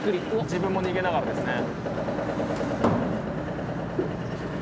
自分も逃げながらですね。